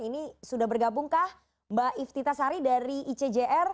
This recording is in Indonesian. ini sudah bergabungkah mbak iftita sari dari icjr